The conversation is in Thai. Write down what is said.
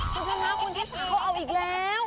คุณคะคุณจะรักคุณที่เขาเอาอีกแล้ว